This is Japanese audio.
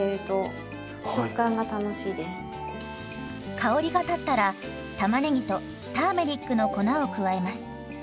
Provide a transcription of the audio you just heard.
香りが立ったらたまねぎとターメリックの粉を加えます。